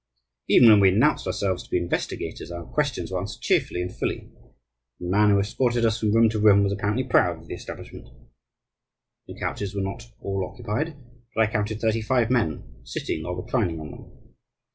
Even when we announced ourselves to be investigators, our questions were answered cheerfully and fully, and the man who escorted us from room to room was apparently proud of the establishment. The couches were not all occupied, but I counted thirty five men sitting or reclining on them.